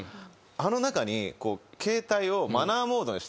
あの中に。